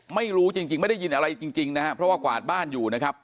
ไม่รู้จริงไม่ได้ยินอะไรจริงนะฮะเพราะว่ากวาดบ้านอยู่นะครับ